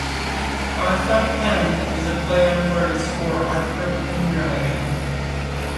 Artha Penn is a play on words for Arthur Pendragon.